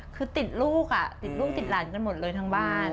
คือติดลูกอ่ะติดลูกติดหลานกันหมดเลยทั้งบ้าน